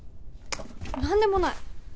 何でもない！